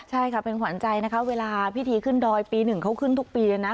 ใช่ค่ะเป็นขวัญใจนะคะเวลาพิธีขึ้นดอยปีหนึ่งเขาขึ้นทุกปีเลยนะ